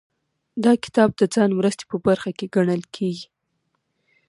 دا کتاب د ځان مرستې په برخه کې ګڼل کیږي.